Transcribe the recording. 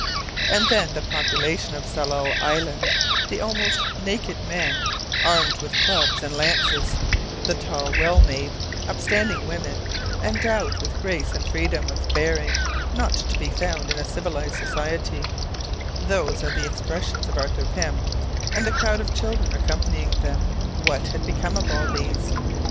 And then the population of Tsalal Island, the almost naked men, armed with clubs and lances, the tall, well made, upstanding women, endowed with grace and freedom of bearing not to be found in a civilized society those are the expressions of Arthur Pym and the crowd of children accompanying them, what had become of all these?